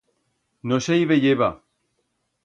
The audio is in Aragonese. No se i veyeba.